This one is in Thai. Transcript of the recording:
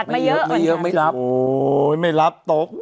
ไม่เยอะไม่รับ